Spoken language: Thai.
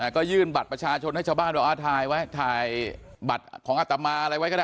ก็ยื่นบัตรประชาชนให้ชาวบ้านบอกถ่ายไว้ถ่ายบัตรของอัตมาอะไรไว้ก็ได้